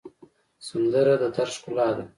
سندره د دَرد ښکلا ده